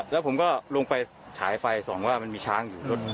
แล้วผมก็ลงไปฉายไฟส่องว่ามันมีช้างอยู่รถ